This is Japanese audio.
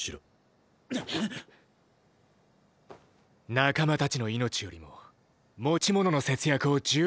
仲間たちの命よりも持ち物の節約を重視しろと？